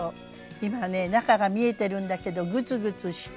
今ね中が見えてるんだけどグツグツして。